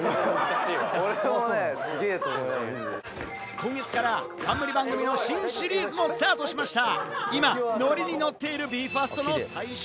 今月から冠番組の新シリーズもスタートしました。